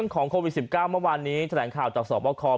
ของโควิด๑๙เมื่อวานนี้แถลงข่าวจากสอบประคอ